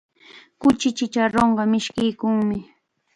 Kuchi chacharunqa mishkiykunmi.